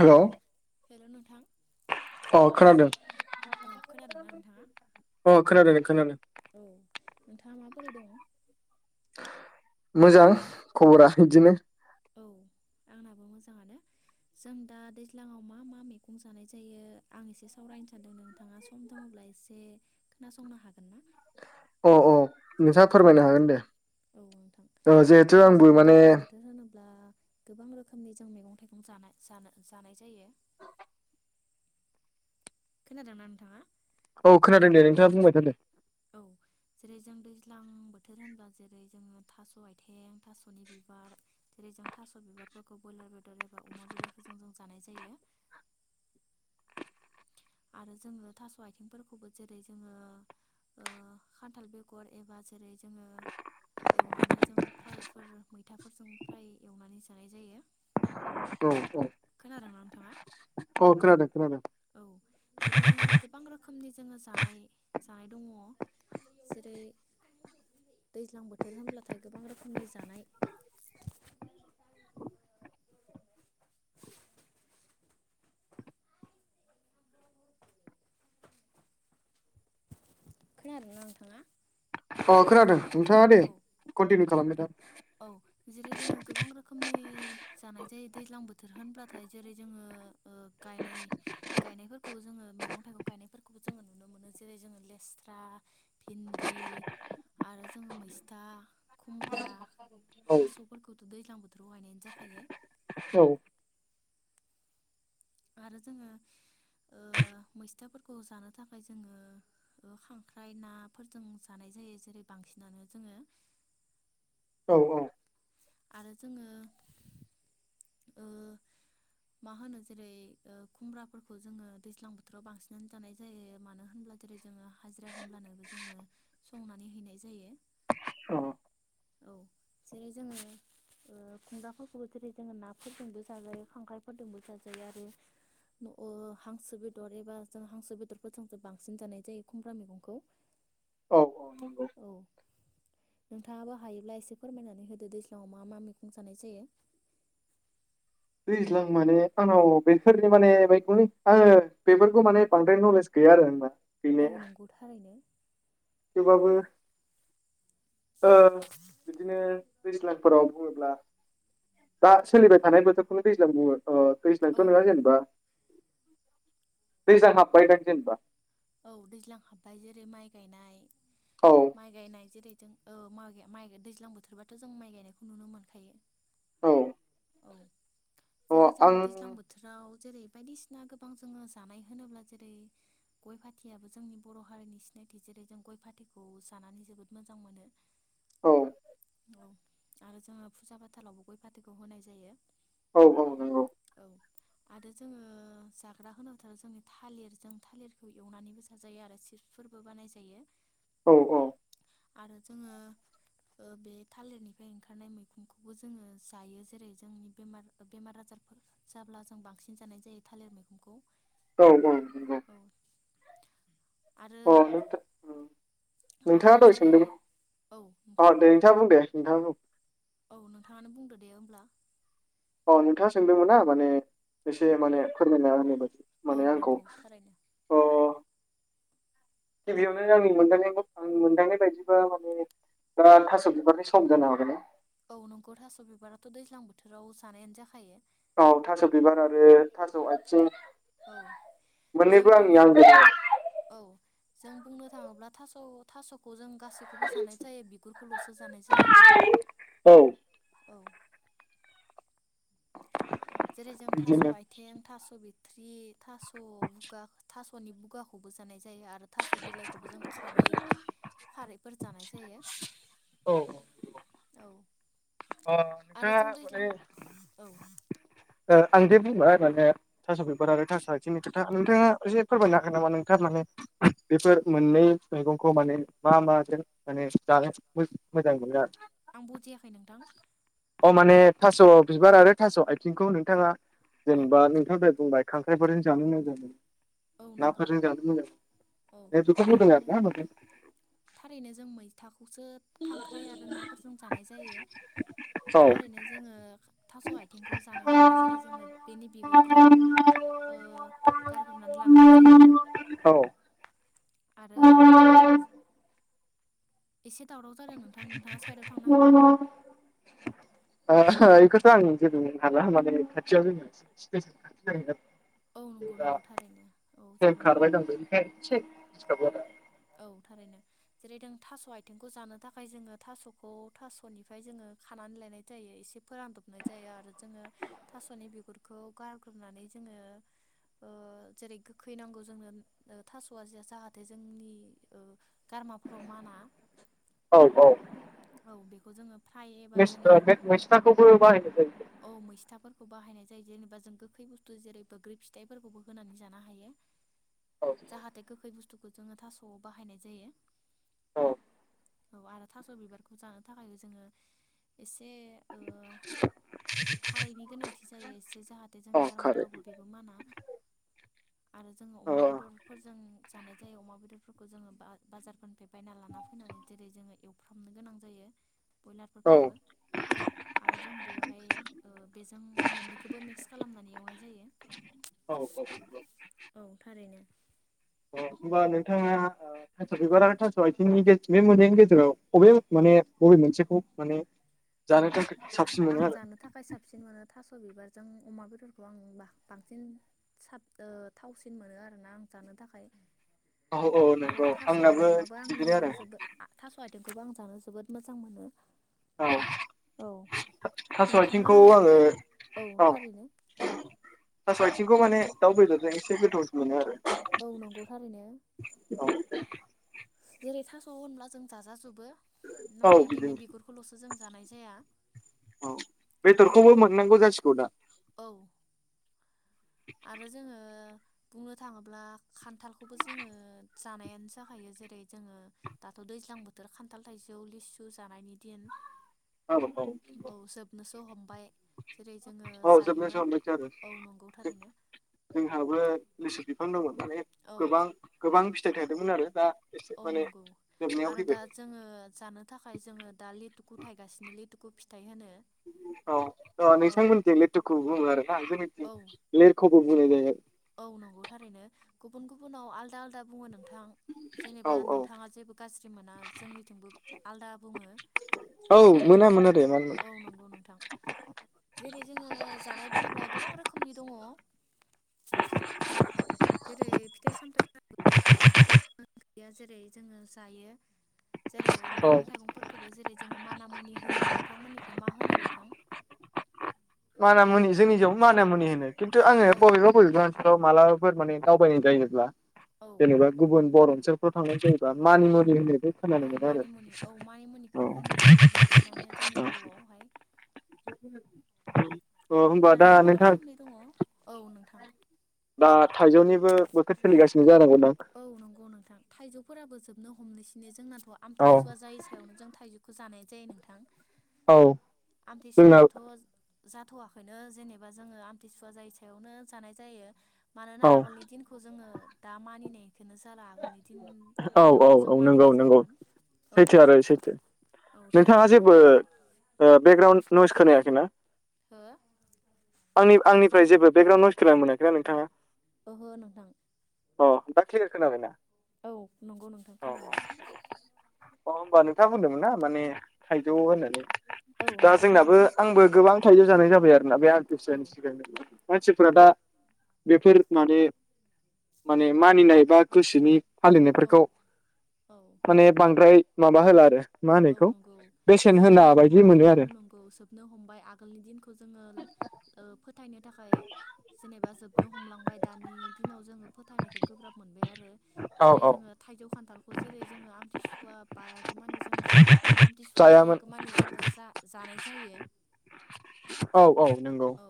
हेल'। Hello नोंथां अ खोनादों। औ खोनादोंना नोंथाङा? अ खोनादों खोनादों। औ नोंथाङा माबोरै दं? मोजां खबरा बिदिनो। औ आंनाबो मोजाङानो जों दा दैज्लाङाव मा मा मैगं जानाय जायो आं एसे सावरायनो सान्दों नोंथाङा सम दङब्ला एसे खोनासंनो हागोन ना? अ अ। नोंथाङा औ फोरमायनो हागोन दे औ नोंथां ओ जिहेथु जेरै आंबो जोङो माने दैज्लां बोथोर होनोब्ला गोबां रोखोमनि जों मैगं थाइगं जानाय जानाय जानाय जायो। खोनादोंना नोंथाङा? औ खोनादों दे नोंथाङा बुंबाय था दे। औ जेरै जों दैज्लां बोथोर होनब्ला जेरै जोङो थास' आयथें थास'नि बिबार जेरै जों थास' बिबारफोरखौ ब्रयलार बेदर एबा अमा बेदरफोरजों जों जानाय जायो आरो जोङो थास' आथिंफोरखौबो जेरै जोङो ओ खान्थाल बेगर एबा जेरै जोङो एवनानै जों फ्रायफोर मैथाफोरजों फ्राय एवनानै जानाय जायो। औ खोनादोंना नोंथाङा औ खोनादों खोनादों। औ जेरै जोङो गोबां रोखोमनि जोङो जानाय जानाय दङ जेरै दैज्लां बोथोर होनब्लाथाय गोबां रोखोमनि जानाय खोनादों ना नोंथाङा? अ खोनादों। नोंथाङा दे औ कन्टिनिउ खालामबाय था। औ जेरै जोङो गोबां रोखोमनि जानाय जायो दैज्लां बोथोर होनब्लाथाय जेरै जोङो ओ गायनाय गायनायफोरखौ जोङो मैगं थाइगं गायनायफोरखौबो जोङो नुनो मोनो जेरै जोङो लेस्रा भिन्दि, आरो जोङो मैस्था, खुमब्रा, औ थास'फोरखौथ' दैज्लां बोथोराव गायनायानो जाखायो। औ आरो जोङो ओ मैस्थाफोरखौ जानो थाखाय जोङो खांख्राइ नाफोरजों जानाय जायो जेरै बांसिनानो जोङो। औ औ आरो जोङो ओ मा होनो जेरै ओ खुमब्राफोरखौ जोङो दैज्लां बोथोराव बांसिनानो जानाय जायो। मानो होनब्ला जेरै जोङो हाजिरा खामब्लानोबो जोङो संनानै हैनाय जायो। औ औ जेरै जोङो ओ खुमब्राफोरखौबो जेरै जोङो नाफोरजोंबो जाजायो खांख्रायफोरजोंबो जाजायो आरो हांसो बेदर एबा जों हांसो बेदरफोरजों सो बांसिन जानाय जायो खुमब्रा मैगंखौ। औ औ नंगौ औ नोंथाङाबो हायोब्ला एसे फोरमायनानै होदो दैज्लाङाव मा मा मैगं जानाय जायो? दैज्लां माने आंनाव बेफोरनि माने आङो बेफोरखौ माने बांद्राय नलेज गैया आरो आंना। औ गैनाया नंगौ थारैनो थेवबाबो ओ बिदिनो दैज्लां फोराव बुङोब्ला दा सोलिबाय थानाय बोथोर खौनो दैज्लां बुंङो। ओ दैज्लां औ थ' नङा जेनेबा दैज्लां हाबबाय दां जेनबा? औ दैज्लां हाबबाय जेरै माइ गायनाय, औ माइ गायनाय जेरै, औ माइ दैज्लां बोथोरबाथ' जों माइ गायनायखौ नुनो मोनखायो। औ औ अ जेरै जोङो आं दैज्लां बोथोराव जेरै बायदिसिना गोबां जोङो जानाय होनोब्ला जेरै गय फाथैयाबो जोंनि बर' हारिनि सिनायथि जेरै जों गय फाथैखौ जानानै जोबोद मोजां मोनो। औ औ आरो जोंङो फुजा फाथालावबो गय फाथैखौ होनाय जायो। औ औ नंगौ। औ आरो जोङो जाग्रा होनोबाथ' जों थालिर जों थालिर बेखौ एवनानैबो जाजायो आरो सिफफोरबो बानाय जायो। औ औ आरो जोङो बे थालिरनिफ्राय ओंखारनाय मैखुनखौबो जोङो जायो। जेरै जोंनि बेमार बेमार आजारफोर जाब्ला जों बांसिन जानाय जायो थालिर मैखुनखौ। औ औ नंगौ। आरो अ नोथां आरो नोंथाङा दहै जेरै सोंदोंमोन औ नोंथां अ दे नोंथाङा बुं दे नोंथांङ बुं औ नोंथाङानो बुंदो दे होमब्ला औ नोंथाङा सोंदोंमोन ना माने एसे माने फोरमायना होननाय बायदि औ माने आंखौ नंगौ थारैनो अह गिबियावनो आंनि मोनदांनाय आ मोनदांनाय बायदिबा बा थास' बिबारनि सम जानो हागोन दा औ नंगौ थास' बिबाराथ' दैज्लां बोथोराव जानायानो जाखायो औ थास' बिबार आरो थास' आथिं औ जों मोननैबो आंनि बुंनो आंगो औ जों बुंनो थाङोब्ला थास' थास'खौ जों गासैखौबो जानाय जायो बिगुरखौल'सो जानाय जाया औ औ जेरै जों थास' बिदिनो आयथें थास' बिथ थ्रि थास' बुगा थास' नि बुगाखौबो जानाय जायो आरो थास' बिलाइखौबो जों खारै खारैफोर जानाय जायो औ अ आरो नोंथाङा जों माने दैज्लां औ आं दे बुंबाय माने थास' बेगार आरो थास' आथिंनि खोथा नोंथाङा एसे फोरमायनो हागोन नामा नोंथां माने बेफोर मोननै मैगंखौ माने मा माजों माने जानो मोजां मोनो आरो आं बुजियाखै नोंथां अ माने थास' बिबार आरो थास' आयथिंखौ नोंथाङा औ जेनेबा नोंथां दहाय बुंबाय खांख्राइफोरजों जानो मोजां जादों औ नंगौ औ मोनो बेखौ थार बुंदों आरो ना माने थारैनो जों मैथाखौ खांख्राइ आरो नाफोरजों जानाय जायो औ थारैनो जोङो थास' आथिंखौ जानो थाखाय जेरै जोङो बेनि बिगुरखौ ओ गार औ आरो एसे दावराव जादों नोंथां नोंथाङा साइदाव थांनो हागोन ना बेखौथ' आं जेबो बुं हाला माने खाथियाव औ नंगौ नंगौ थारैनो औ जेबो नङा [unintelligible] [unintelligible] दिसथाब जादों औ थारैनो जेरै जों थास' आथिंखौ जानो थाखाय जोङो थास'खौ थास'निफ्राय जोङो खानानै लायनाय जायो एसे फोरानदबनाय जायो आरो जोङो थास'नि बिगुरखौ गारग्रोनानै जोङो ओ जेरै गोखै नांगौ जोंनो थास'आ जाहाथे जोंनि [inaudible] गारमाफोराव माना औ बेखौ जोङो फ्राय एबा जोङो मेस-मिस्नाखौबो बाहनो जायो औ मैस्थाफोरखौ बाहायनाय जायो जेनेबा जों गोखै बुस्थु जेरै बग्रि फिथाइफोरखौबो होनानै जानो हायो औ जाह हाथ बस्थु जोङो थास'आव बाहायनाय जायो औ औ आरो थास' बिबारखौ जानो थाखायबो जोङो एसे खारैनि गोनांथि जायो एसे जाहाथे जे जोंनि औ खारै गारामाफोरावबो जेबो माना आरो जोङो औ अमा बेदरफोरजों जानाय जायो। अमा बेदरफोरखौ जोङो बाजारफोरनिफ्राय बायना लाना फैनानै जेरै जोङो एवफ्रामनो गोनां जायो औ ब्रयलारफोरखौबो आरो जों बेयाव ओमफाय बेजों मोननैखौबो मिक्स खालामनानै एवनाय जायो औ औ थारैनो होबा नोंथाङा थास' बिबार आरो थासास' आथिंनि बे मोनैनि गेजेराव बबे माने बबे मोनसेखौ माने औ जानो थाखाय साबसिन मोनो आं आरो जानो थाखाय साबसिन मोनो थास' बिबार जों अमा बेदरखौ आं बांसिन साब थावसिन मोनो आरोना आं जानो थाखाय औ औ आरो नंगौ थास' आंनाबो आथिंआबो आंनि बिदिनो आरो जोबोद थास' आथि खौबो आं जानो जोबोद मोजां मोनो औ औ थास' नोंथाङा आथिंखौ आङो औ थास आथिंखौ माने दाउ बेदरजों एसे गोथावसिन मोनो आरो औ नंगौ थारैनो औे जेरै थास' होनब्ला जों जाजोबो औ माने बिनि बिदिनो बिगुरखौल'सो जों जानाय जाया औ बेदरखौबो बिगुरखौ मोननांगौ जासिगौ दा औ आरो जोङो बुंनो थाङोब्ला खान्थालखौबो जोङो जानायानो जाखायो जेरै जोङो दाथ' दैज्लां बोथोर खान्थाल थाइजौ लिसु जानायनि दिन औ औ ज' हमबाय जेरै जोङो औ जोबनोसो जायोमोन हमबायसो आरो औ नंगौ थारैनो जोंहाबो लिसु बिफां दं माने औ गोबां गोबां फिथाइ थादोंमोन आरो दा एसे औ माने नंगौ जोबनायाव आरो दा फैबाय जोङो जानो थाखाय जोङो दा लेथुखु थायगासिनो लेथु खुखौ फिथाइ होनो औ औ नोंथांमोनथि लिथुखुबो बुङो आरोना जोंनि औ लिरखुबो बुंनाय जायो। औ नंगौ थारैनो गुबुन गुबुनाव आलदा आलदा बुङो। नोंथां औ जेनेबा औ नोंथाङा जेबो गाज्रि मोना जोंनिथिंबो आलदा बुङो। औ मोना मोना दे मानो मोन औ नंगौ नोंथां जेरै जोङो जानाय बुङोब्ला गोबां रोखोमनि दङ जेरै फिथाइ सामथाय ओंखैया जेरै जोङो जायो जेरै औ मैगं थाइगंफोरखौबो जेरै जोङो माना मुनि होनो नों नोंथांमोननिखौ मा होनो नोंथां मान मुनि जोंनिआव मान मुनि होनो खिनथुआंङो औ बबेबा बबेबा ओनसोलाव मालाबा फोर माने दावबाय नाय जायोब्ला औ जेनबा गुबुन बर फ्राव थांनाय जायोबा मानि मुुलि होनो बे खोनानो औ मोनो मानिमुनि औ आरो मानिमुनिखौनो होननाय जायो बांसिनानो जोंनि औ औ बर'आवहाय औ आरो गोबां रोखोमनि दङ औ नोंथां दा थाइजौनिबो बोथोर सोलिगासिनो जानांगौ औ नंगौ नोंथां थाइजौफोराबो जोबनो हमनोसै बे जोंना औ आमथिं सुवा जायै सायावनो जों थाइजौ खौ जानाय जायो नोंथां औ जोंना आमथिंसुयाथ जाथ'वाखैनो जेनेबा जोङो आमथिसुवा जायै सायावनो जानाय जायो मानोना औ आगोलनि दिनखौ जोङो दा मानिनायखौनो जाला आगोल औ औ औ नंगौ नंगौ जायोमोन औ सैथो आरो सैथो औ नोंथाङा थारैनो जेबो बेकग्राउणड नयस खोनायाखैना हो आंनि आंनिफ्राय जे बेकग्राउन्ड नयस खोनानो मोनाखैना नोंथाङा। ओहो नोंथां अ दा क्लियार खोनाबायना। औ नंगौ नोंथां औ खोनादों। अ होमबा नोंथाङा बुंदोंमोन ना माने थाइजौ होननानै औ दा नंगौ जोंनाबो थारैनो। आंबो गोबां थाइजौ जानाय जाबाय आरो बे औ आमथिंसुयानि सिगां नों मानसिफोरा दा बेफोर माने माने मानिनाय बा गोसोनि औ फालिनायफोरखौ औ माने बांद्राय माबा होला आरो। मा होनो औ बेखौ नंगौ बेसेन होना जोबनो बायदि हमबाय मोनो औ आरो नंगौ जोबनो हमबाय आगोलनि दिनखौ जोङो ओ फोथायनो थाखाय ओमफ्राय जेनेबा जोबनो हमलांबाय दानि दिनाव जोङो फोथायनायखौ गोब्राब मोनबाय आरो औ जेरै औ जोङो थाइजौ खान्थालखौ जेरै जोङो आमथिसुवा बायागौ मानि जों आमथिसुवा जायामोन जायागौ मानि जोङो जा जानाय जायो औ औ नोंगौ औ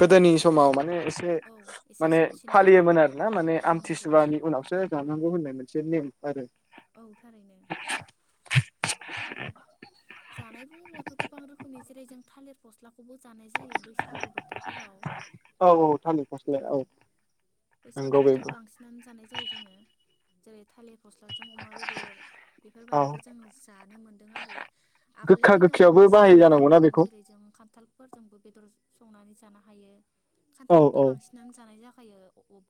गोदोनि समाव माने एसे औ एसे माने साबसिनमोन फालियोमोन आरोना माने औ नंगौ आमथिसुवानि उनावसो जा नंगौ होननाय मोनसे नेम आरो औ थारैनो। [inaudible] जानाय बुङोब्लाथ' गोबां रोखोमनि जेरै जों थालिर फस्ला खौबो जानाय जायो बैसागु बोथोरफोराव औ औ थालिर औ फस्लाया बैसागु नंगौ बेबो बोथोराव बांसिनानो जानाय जायो जोङो। जेरै थालिर फस्लाजों अमा बेदर औ बेफोरबायदिखौ जों जानो मोन्दों आरो आगोलनि गोखा दिनाव गोखैयावबो एसे बाहायो जानांगौना आलादामोन बेखौ जेरै जों खान्थालफोरजोंबो बेदर संनानै जानो हायो औ खान्थालखौथ' औ बांसिनानो जानाय जा खायो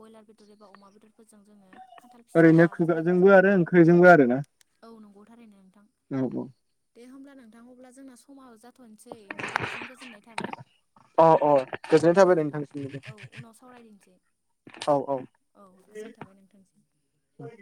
बयलार बेदर एबा अमा बेदरफोरजों जोङो खान्थाल फिसा ओरैनो जेनेबा खुगाजोंबो आरो जानायखौ ओंख्रिजोंबो आरो ना औ नंगौ थारैनो नोंथां औ औ। दे होमब्ला नोंथां अब्ला जोंना समा जा थ'नसै नोंथांसिम गोजोननाय थाबाय। अ अ गोजोननाय औ थाबाय नोंथां नोंथांसिमबो औ उनाव सावरायदिनोसै औ औ आसा थाबाय नोंथांसिम औ।